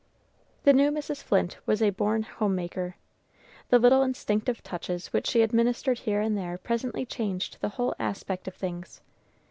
The new Mrs. Flint was a born homemaker. The little instinctive touches which she administered here and there presently changed the whole aspect of things.